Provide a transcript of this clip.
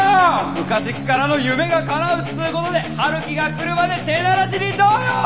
昔っからの夢がかなうっつうことで陽樹が来るまで手慣らしにどうよ？